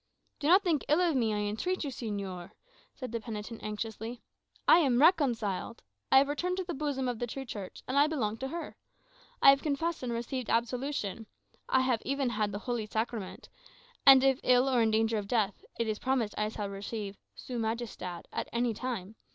"Do not think ill of me, I entreat of you, señor," said the penitent anxiously. "I am reconciled. I have returned to the bosom of the true Church, and I belong to her. I have confessed and received absolution. I have even had the Holy Sacrament; and if ill, or in danger of death, it is promised I shall receive 'su majestad'[#] at any time.